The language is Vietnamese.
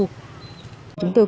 chúng tôi cũng tập trung